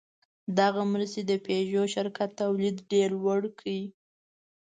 دغې مرستې د پيژو شرکت تولید ډېر لوړ کړ.